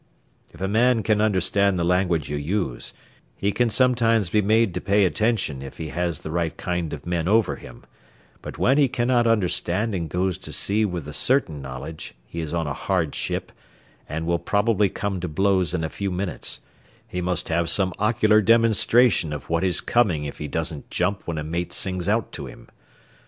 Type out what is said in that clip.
If a man can understand the language you use, he can sometimes be made to pay attention if he has the right kind of men over him, but when he cannot understand and goes to sea with the certain knowledge he is on a hard ship and will probably come to blows in a few minutes, he must have some ocular demonstration of what is coming if he doesn't jump when a mate sings out to him.